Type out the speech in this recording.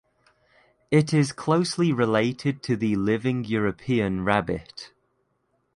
It is closely related to the living European rabbit.